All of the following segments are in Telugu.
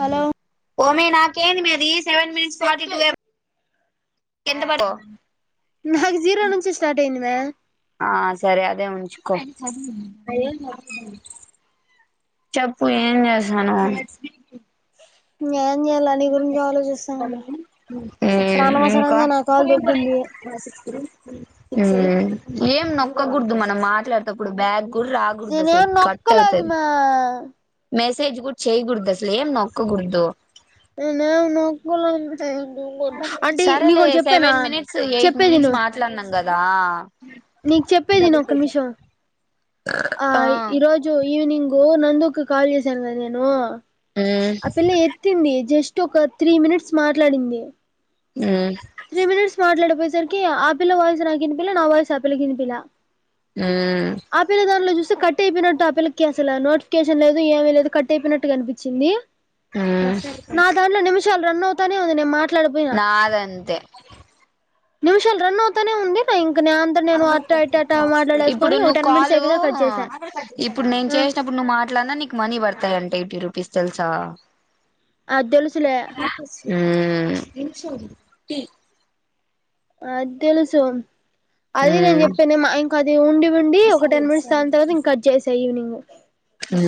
హలో! ఓమి నాకేంది? మీ అది సెవెన్ మినేట్స్ ఫార్టీ టూ. కింద పడత, నాకు జీరో నుంచి స్టార్ట్ అయింది మే ఆ సరే అదే ఉ కొ చదువు, ఎం చదువు కొను. చెప్పు, ఏం చేసాను. మ్ ఉమ్, ఇప్పుడు ఇంకా అనవసరంగా నా ఉ కాలు దొబ్బింది ఏం నొక్కగూడదు, మనం మాట్లాడటప్పుడు బ్యాగ్ గుర్ ఆగుడద, అసల్ నేనేం కట్ నొక్కలేదు అవుతది. మే మే స్ తేజ గూడా చేయకూడదు. అసలు ఏం నొక్కగూడదు. నేనేమ్ నొక్కలేదు. అంటే సరేలే, నీకోటి చెప్పానా సెవెన్ మినిట్స్, ఎయిట్ చెప్పేదిను మినిట్స్, మాట్లాడినాం గదా. నీకు చెప్పేది. విను ఒక నిమిషం, ఆ ఈరోజు ఈవినింగ్. గో నందుక్ కాల్ చేసాను, గదా, నేను మ్మ్ ఆ పిల్ల ఎత్ది జస్ట్. కరెక్ట్, త్రీ మినిట్స్ మాట్లాడింది. మ్ త్రీ మినిట్స్, మాట్లాడపోయేసరికి, ఆ పిల్ల వాయిస్ నాకువినిపియలె, నా వాయిస్ ఆపిల్లకి వినిపియలె. మ్. కట్ అయిపోయినట్టు ఆ పిల్లకి అసలు నోటిఫికేషన్ లేదు ఏమీ లేదు, కట్ అయిపోయినట్టుగ కనిపించింది. ఆ చాలా రన్ అవుతానే ఉంది నేన్ మాట్ నాదంతే నిమిషాలు రన్ అవుతానే ఉంది రే ఇప్పుడు ఒక నువ్ టెన్ మినిట్స్ కాలు, అయిపోయిన కట్ చేసా ఇప్పుడు నేను ఆ చేసినపు ను మాట్లాడ్నా నీకు మనీ బడతయి అంట ఎయిటీ రుపీస్, తెలుసా? అదెలుసులే ఊ అదెలుసు అది నేను మ్మ్ చెప్పానే మా ఇంక అది ఉండి ఉండి ఒక టెన్ మినిట్స్ దాన్ తర్వాత ఇంక కట్ చేసా ఈవినింగ్. ఉ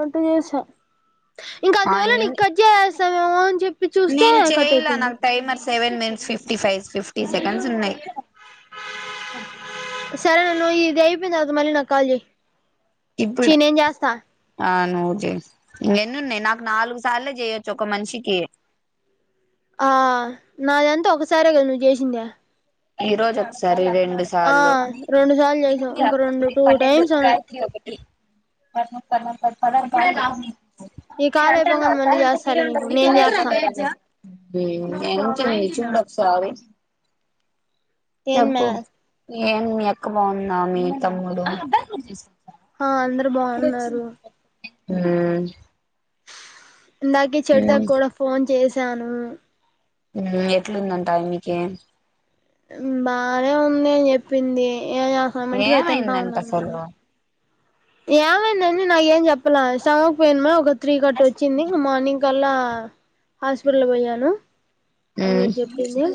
అట్ట చేసా ఇంక అందువల్ల నీ కట్ చేయసావేమో అని చెప్ నేను చేయలా నాకు time అర్స్ seven minutes fifty five fifty seconds ఉన్నయి. సరే నన్ను ఇది అయిపోయిన తర్వాత మళ్ళీ నాక్ కాల్ చేయ్, చీ నేన్ చేస్తా నోట్ జే ఇంగ ఎన్నున్నయ్? నాకు నాలుగు సార్లే చేయొచ్చు ఒక మనిషికి. ఆ నాదంతా ఒకసారే కద నువ్వు చేసింద ఈ రోజు ఒకసారి రే రెండు సార్లు రెండు సార్లు చేసావు ఇంక రెండు టూ టైమ్స్ ఉన్నాయి స సర ఈ కాల్ అయిపోగానే మళ్ళీ అంటేంట ఫి చేస్తాలే ఉండ నీకు నేను చేస్తా ఉ ఎంతుంది చూడు ఒకసారి ఎంద్ మా చెప్పు ఏం మీ అక్క బాగుంద, మీ తమ్ముడు? ఆ అందరు బాగున్నారు. ఉ ఇందాకే చెడుతకు కూడా ఫోన్ చేసాను. ఉ ఎట్లుందంట ఆ అమ్మికి బానే ఉంది అని చెప్పింది. ఏ ఏమైందంట అసలు [unintelligible] ఏమైంది అన్ని నాకు ఏం చెప్పలా, సామకు పోయిన్మ ఒక త్రీ కట్ట వచ్చింది. ఇంగ మార్నింగ్ కల్లా హాస్పిటల్ పోయాను అని ఉ చెప్పి చెప్పింది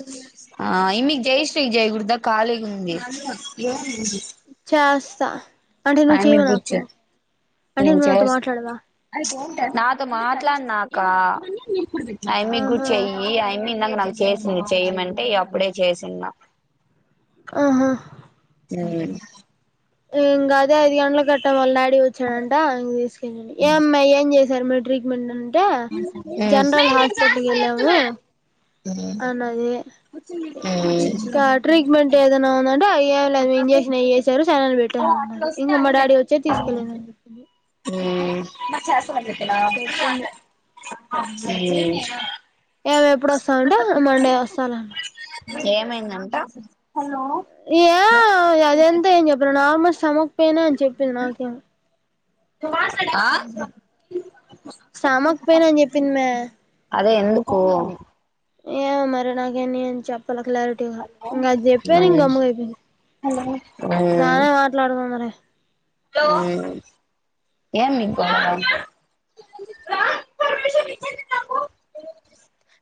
ఆ ఇమ్మికి జై శ్రీ కి జేయకూడ్ ద ఖాళీగుంది ఆస్తా అంటే నువ్వు చేయవ నాకు, కూర్చో అంటే నేను నువ్ నాతో చేస్ మాట్లాడవా? నాతో మాట్లాడ్నాక, ఆ అమ్మికి గుడి ఆహా చెయ్యి ఆ అమ్మి నాకు నాకు చేసింది చెయమంటే అప్పుడే చేసింది నా ఆహా ఉ ఇంగ అదే ఐదు గంట్లకు అట్ట వాళ్ళ డాడీ వచ్చాడంట. ఇంగ తీసుకెళ్ళిండు ఏం మ్మే ఏం చేస్ చర్మ ట్రీట్మెంట్ అంటే, ఉమ్ జనరల్ హాస్పిటల్ కి ఎళ్ళాము ఉమ్ అన్నది ఇ ఉమ్ ఇంకా ట్రీట్మెంట్ ఏదన్న ఉందంటే ఆ ఏం లేదు, మేం చేసినేది చేసారు. ఉ ఉ తీసుకెళ్ళిందని చెప్పింది చెప్పింది ఏమే ఎప్పుడు వస్తవంటే, ఆ మండే వస్తాలే ఏమైందంట ఏ అదంత ఏం చెప్పలా, నార్మల్ స్టమక్ పెయిన్ అని చెప్పింది నాకి. ఆ స్టమక్ పెయిన్ అని చెప్పింది మే. అదే ఎందుకు? ఏమో మరి నాకే నేను ఏం చెప్పాల క్లారిటీగ ఇంకా అది చెప్పే ఇంక మ్మ్ గమ్గయిపోయింది మ్మ్ మ్మ్ బానే మాట్లాడుతుంది లే ఏం ఇంకా [unintelligible]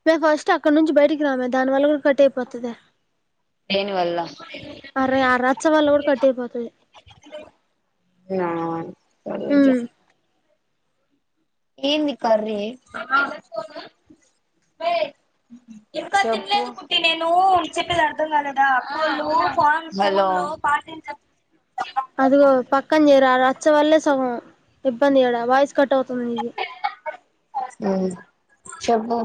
మే ఫస్ట్ అక్కడ నుంచి బయటికి రామే దాని వల్ల కూడా కట్ అయిపోతుది దేని వల్ల అరే ఆరచ్చ వాళ్ళ కూడ కట్ అయిపోతది నా చ ఉమ్ ఏంది కర్రీ చెప్పు హలో అదిగో పక్కంచేరు ఆ రచ్చ వల్లే సగం ఇబ్బంది కూడ వాయిస్ కట్ అవుతుంది నీది హు చెప్పు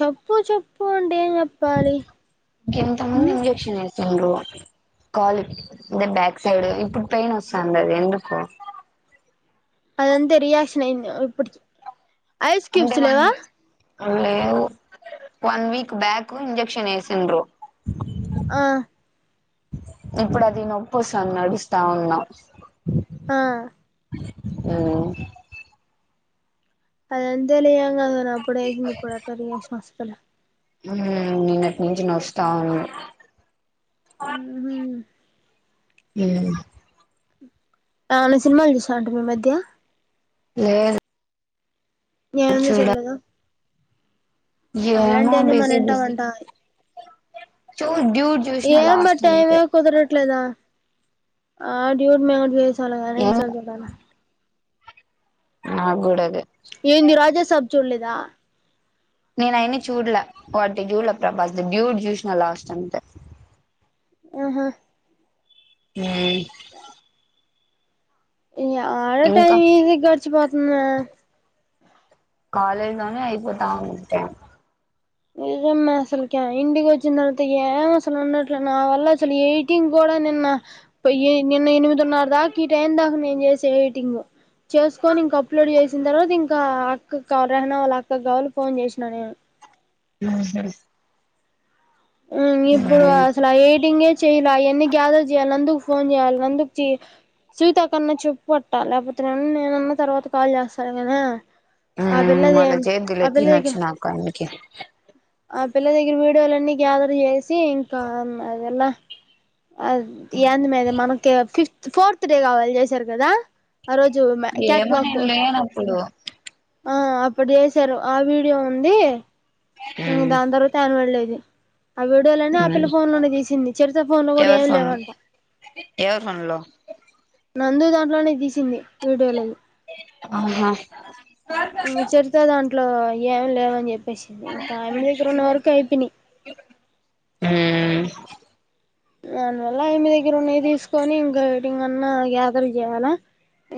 చొప్పు చొప్పు అంటే ఎం చెప్పాలి ఇంగ కాలు అదే బ్యాక్ సైడ్ ఇప్పుడు పెయినస్తంది అది ఎందుకో అదంతే రియాక్షన్ అయింది ఇప్పటికి ఐస్ క్యూబ్స్ లేవా అవి లేవు వన్ వీక్ బ్యాక్ ఇంజెక్షన్ ఎసిండ్రు ఆ ఇప్పుడు అది నొప్పుస్తంది నడుస్తా ఉన్నా ఆ ఉ అదంతలేం గాదురా అప్పుడే ఇన్ని ఇప్పుడటరి ఇశ్మస్తుటరా ఉ నిన్నట్నుంచి నోస్తా ఉంది ఉ [unintelligible] ఈ మధ్య లే ఏందీ చూలేదు ఏమో మనం బిజీ బిజీ వింటామంట చూ డ్యూడ్ చూసిన ఏం మే లాస్ట్ టైమే అంతే కుదరట్లేదు ఆ డ్యూడ్ మౌంట్ వేసాలేగని ఏం [unintelligible] నాగూడ అదే ఏంది రాజాసాబ్ చూల్లేద నేనయన్ని చూడ్ల వాటి చూడ్లే ప్రభాస్ దీ డ్యూడ్ చూసిన లాస్ట్ అంతే ఆహా ఉ ఆ ఆడ ఇంకా టైమ్ ఇజి గా గడిచిపాతుంది మే కాలేజ్ లోనే అయిపోతా ఉంటది నిజమ్మా అసలుకి ఇంటికోచ్చిన్ తర్వాత ఏం అసలు ఉండట్లే నా వల్ల అసలు ఎయిటింగ్ కో నిన్న పోయి నిన్న ఎనిమిదిన్నారదాక ఈ టైందాక చేస ఎయీటింగు చేసుకొని ఇంక అప్లోడ్ చేసిన తర్వాత ఇంకా అక్కకి రేహ్న వాళ అక్కకు కావాలే ఫోన్ చేసినా నేను ఉహు ఉ ఇప్పుడు ఉమ్ అసల ఏయిటింగే చెయాల అయన్ని గ్యాదర్ చేయాల నందుక్ ఫోన్ చేయాల్ నందోచ్చి సీత కన్నా చెప్పు అట్ట లేపోతే నేనున్న తర్వాత కాల్ చేస్తాను గాని ఉమ్ మళ్ళా ఆపిల్లదేం చేద్దులే అపిల్ల దగ్గర తినొచ్చినాక అందుకే ఆ పిల్ల దగ్గర వీడియోలన్నీ గ్యాదర్ చేసి ఇంకా అదెల ఎందమే ఆది మనకి ఫిఫ్త్ ఫోర్త్ డే కావాల్ చేశార్ గదా ఆ రోజు మే క్యాట్ ఏమో వాక్ నేను లేనప్పుడు ఆ అప్పుడు చేసారు ఆ వీడియో ఉంది ఇంగ ఉమ్ దాని తర్వాత యాన్వల్ డే ఆ వీడియోలన్ని ఆపిల్ల ఉమ్ ఫోన్ లోనే తీసింది చరిత ఫోన్ లో కూడా ఏమ్ లేవంట ఎవర్ ఫోన్లో నందు దాంట్లోనే తీసింది వీడియోలు అయ్యి ఆహా మీ చరిత దాంట్లో ఏం లేవని చెప్పేసింది పెషింది అయమ్మిదగ్గరున్న వరకు అయిపోయినయ్ దానివల్ల ఆ యమ్మి దగ్గరున్నయి తీసుకొని ఇంకా ఎడిటింగన్నా గ్యాదర్ చేయ్యాలా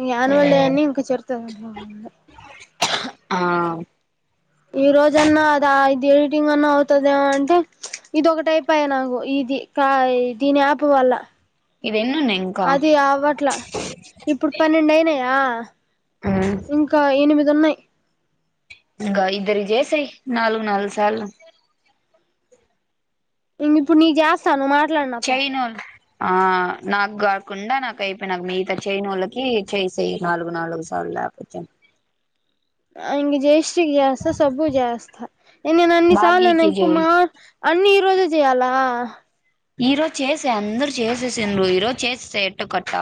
ఇ ఆనువల్ డే అన్ని ఇంక చరిత దాంట్లో ఉన్నాయి ఆ ఈ రోజన్నా అదా ఇది ఎడిటింగ్ అన్నా అవుతదమో అంటే ఇది ఒకటైపయే నాకు ఇ ఇది కాయ్ దీని ఆప్ వల్ల ఇవెన్నున్నాయి ఇంకా అది అవట్ల ఇప్పుడు పన్నెండయినయా మ్మ్ ఇంకా ఎనిమిదున్నాయి ఇంకా ఇద్దరికి జెసెయ్ నాలుగు నాలుగు సాల్లు ఇంక ఇప్పుడు నీకు చేస్తా నువ్వుమాట్లాడు చేై నోల్ ఆ నాకు కాకుండా నాకయిపోయి నాకు మిగతా చేయనోళ్ళకి చేసేయి నాలుగు నాలుగు సార్లు చ్చం [unintelligible] ఇంక జయశ్రీ కి జేస్త సబ్బు కి జేస్తా నేను అన్ని సార్లు నన్న భాగీకి ఎక్కువ చేయి మా అన్ని ఈ రోజే చేయాలా ఈ రోజ చేసే అందరుూ చేసేసిండ్రు ఈరోజు చేసేసయి ఎట్టోకట్ట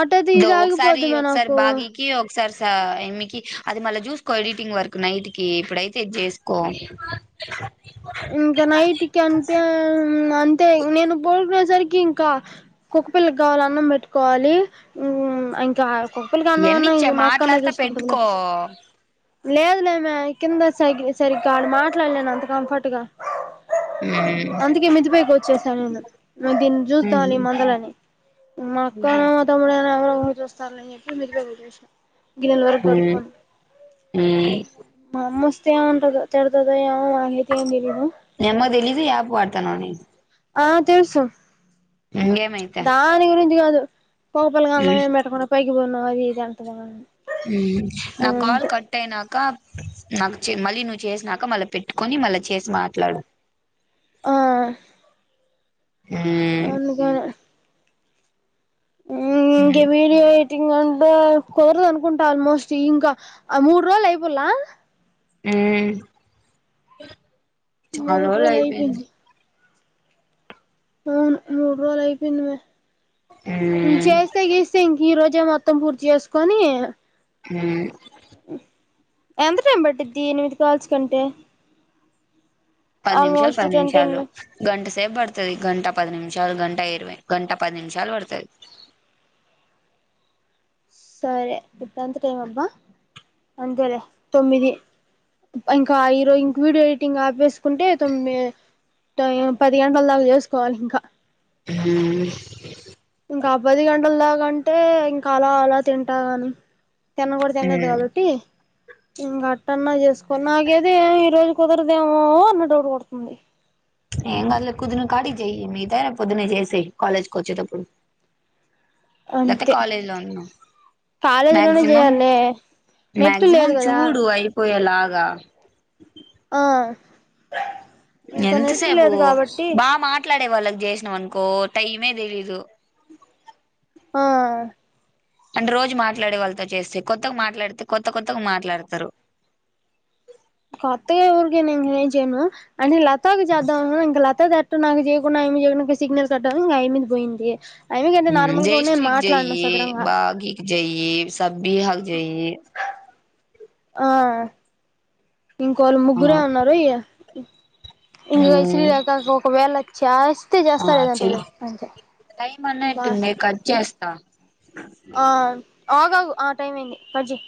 అటైతే ఇదో ఇది ఒకసారి ఆగిపోద్ది మే ఒకసారి నాకు బాగికి ఒక సరి సా ఆఏమ్మికి అది మళ్ళా చూసుకో ఎడిటింగ్ వర్క్ నైట్ కి ఇప్పుడైతే ఇది చేసుకో ఇంకా నైట్కిి అంటే అంతే నేను పడుకొనే సరికి ఇంకా కుక్కపిల్లకి కావాలి అన్నం పెట్టుకోవాలి ఉ ఇంకా కుక్కపిల్లకి అన్నం ఇవన్నీ అన్నా ఇచ్చా మా అక్కన్న మాట్లాడతా చూసుకుంటదిలే పెట్టుకో లేదులేమె కింద సైగ సరిగ్గా ఆడ మాట్లాడలేను అంత కంఫర్ట్గా మ్మ్ అందుకే మిద్ది పైకి వచ్చేసా నేను నువు దీన్ని చూస్తా దీని మ్మ్ మందలని మాఅక్కన మా తమ్ముడైనా ఎవరో ఒకరు చుస్తారులే అనిచెప్పి మీద్దె పైకి వచ్చేసా గిన్నెల వరకు కడుకొని మ్మ్ మా అమ్మ వస్తుంది [unintelligible] ఉంట తిడతదో ఏమో నాకైతే ఏం తెలీదు మీ అమ్మకు తెలిదు యాప్ వాడతానవని ఆ తెలుసు ఇంకేమైతే దాని గురించి కాదు పాపల్కి మ్మ్ అన్నమేం పెట్టకుండా పైకి పోయిన్నావ్ అది ఇది అంట దేమో అని అ నా కాల్ కట్టయినాక నాకు మళ్ళీ నువ్వు చేసినాక మళ్ళీ పెట్టుకొని మళ్ళా చేసి మాట్లాడు ఆ మ్మ్ అందుకని ఊ ఇంక మ్మ్ వీడియో ఎడిటింగ్ ఎడిటింగ్ అంటే కుదరదు అనుకుంటా ఆల్మోస్ట్ ఇంకా మూడు రోజులు అయిపోలా హ చాల రోజులు అయిపోయింది అవును మూడు రోజులు అయిపోయింది మే ఉమ్ చేస్తె గీస్తే ఇంకా ఈ రోజు విద్య మొత్తం పూర్తి చేసుకొని ఆ ఎంత టైం పట్టిది ఎనిమిది కాల్స్ కంటే పది నిమిషాలు ఆల్మోస్ట్ పది టెన్ టెన్ నిమిషాలు గంటసేపు పడుతది గంటా పది నిమిషాలు గంటా ఇరవై గంటా పది నిమిషాలు పడుతది సరే ఇప్పుడెంత టైంఅబ్బ అంతేలేే తొమ్మిది ఇంకా ఈరోజు ఇంక వీడియో ఎడిటింగ్ ఆపేసుకుంటే తొమ్మిది పది గంటల దాకా చేసుకోవాలి ఇంకా ఆ ఇంకా పది గంటల దాగంటే ఇంకా అలా అలా తింటా కాని నన్న కూడా తినదు ఉమ్ కాదట్టి ఇంకా అట్టా అన్నా చేసుకో నాకేద ఈ రోజు కుదరదేమో అన్న డౌట్ కొడుతుంది ఏం కాదులే కుదిరిన కాడికి చెయ్యి మిగతాయి రేపు పొద్దున్న చేసేయి కాలేజ్ కు వచ్చేటప్పుడు లేతే అంతే కాలేజ్ లో ఉన్ను కాలేజీలోనే మక్సిమం చేయాలి నెట్ మక్సిమం లేదు కదా చూడు అయి పోయేలాగా ఆ ఇంకా నెట్ ఎంతసేపు లేదు కాబట్టి బా మాట మాట్లాడే వాళ్ళకి చేసినాం అనుకో టైమే తెలీదు ఆ అంటే రోజు మాట్లాడే వాళ్ళతో చేస్తే కొత్తగా మాట్లాడితే కొత్త కొత్తగా మాట్లాడతారు కొత్తగా ఏఊళ్ళకి నేనేం చేయను లతా కి చేద్దాం ఇంకా లతా చే నాకు చేయకుండా ఆ అమ్మికి చేయడానికి సిగ్నల్ కట్ అయి ఇంకా అమ్మిది పోయింది ఆమె కంటే నార్మల్ గా నేను జైష్ఠకి మాట్లాడను జెయ్యి, సదరంగా భాగ్యకి జెయ్యి, సబ్బిహాక్ చెయ్యి ఆ ఇంకొల్లు ఆ ముగ్గురే ఉన్నారు ఇగా మ్మ్ శ్రీలేఖ అక్క ఒకవేళ చేస్తే ఆ చేస్తా లేదంటే చెయ్ లేదు అంతే టైం బాయ్ అన్నట్టుంది కట్ చేస్తా ఆ ఆగగు ఆ టైమ్ అయింది కట్ చెయ్